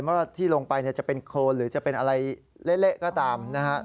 ว่าที่ลงไปจะเป็นโครนหรือจะเป็นอะไรเละก็ตามนะฮะ